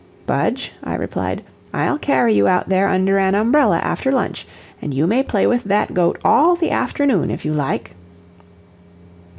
"Budge," I replied, "I'll carry you out there under an umbrella after lunch, and you may play with that goat all the afternoon, if you like."